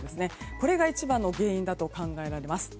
これが一番の原因だと考えられます。